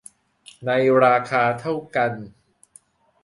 ในราคาเท่ากัน